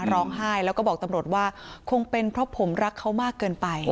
ร้องไห้แล้วก็บอกตำรวจว่าคงเป็นเพราะผมรักเขามากเกินไป